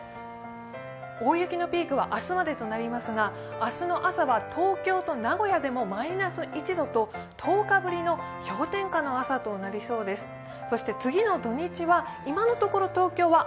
大雪のピークは明日までとなりますが、明日の朝は東京と名古屋でもマイナス１度と１０日ぶりの氷点下の朝となりそうです。